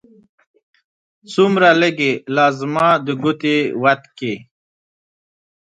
څومره لږې! لا زما د ګوتو وت کې